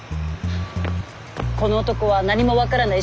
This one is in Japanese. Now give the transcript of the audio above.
この男は何も分からない